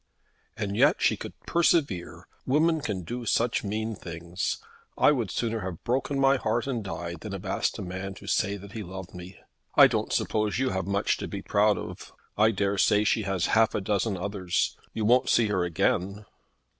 "And yet she could persevere! Women can do such mean things! I would sooner have broken my heart and died than have asked a man to say that he loved me. I don't suppose you have much to be proud of. I daresay she has half a dozen others. You won't see her again?"